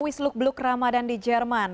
wisluk beluk ramadan di jerman